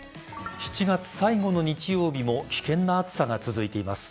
７月最後の日曜日も危険な暑さが続いています。